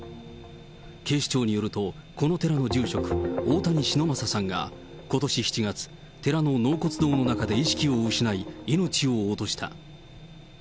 警視庁によると、この寺の住職、大谷忍昌さんがことし７月、寺の納骨堂の中で意識を失い、命を落とした。